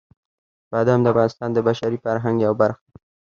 بادام د افغانستان د بشري فرهنګ یوه برخه ده.